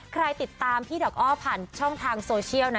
ใครติดตามพี่ดอกอ้อผ่านช่องทางโซเชียลนะ